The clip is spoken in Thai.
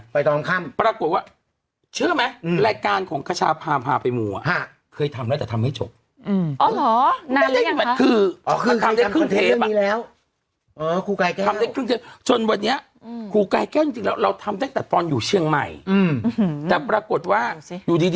ไปถ่ายรายการเพราะไปกันหมดมีแชคมิสต์